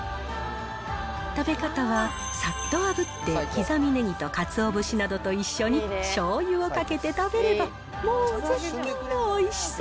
食べ方は、さっとあぶって刻みネギとかつお節などと一緒にしょうゆをかけて食べるともう絶品のおいしさ。